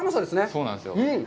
そうなんですよ。